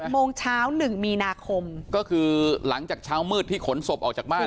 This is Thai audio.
โมงเช้า๑มีนาคมก็คือหลังจากเช้ามืดที่ขนศพออกจากบ้าน